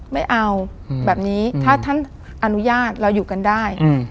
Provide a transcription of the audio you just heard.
ไม่เอาแบบนี้ถ้าท่านอนุญาตเราอยู่กันได้